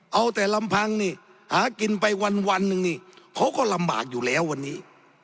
เอาแต่ลำพังนี่หากินไปวันหนึ่งนี่เขาก็ลำบากอยู่แล้ววันนี้